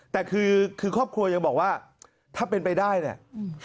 แต่คือคือครอบครัวยังบอกว่าถ้าเป็นไปได้เนี่ย